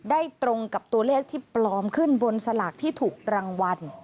ตรงกับตัวเลขที่ปลอมขึ้นบนสลากที่ถูกรางวัล